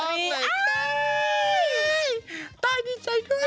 อ้าวตายดีใจด้วยค่ะ